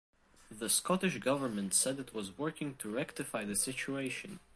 The Scottish Government said it was working to rectify the situation.